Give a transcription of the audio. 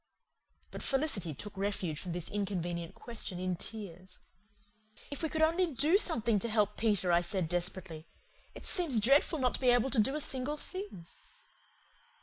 But Felicity took refuge from this inconvenient question in tears. "If we could only DO something to help Peter!" I said desperately. "It seems dreadful not to be able to do a single thing."